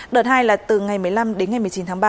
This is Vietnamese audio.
đợt hai là từ ngày một mươi năm đến ngày một mươi chín tháng ba